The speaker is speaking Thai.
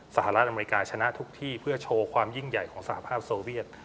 สหรัฐอเมริกาชนะทุกที่เพื่อโชว์ความยิ่งใหญ่ของสหภาพโซเวียต